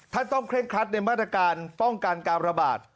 ต้องเคร่งครัดในมาตรการป้องกันการระบาด